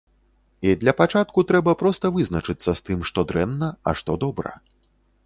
І для пачатку трэба проста вызначыцца з тым, што дрэнна, а што добра.